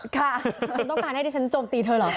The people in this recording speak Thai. ค่ะควรต้องการให้เนี่ยฉันโจมตีเธอเหรอ